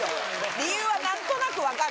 理由は何となく分かる。